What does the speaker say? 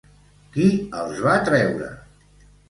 Qui els va treure?